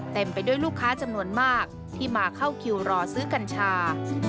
เต็มไปด้วยลูกค้าจำนวนมากที่มาเข้าคิวรอซื้อกัญชา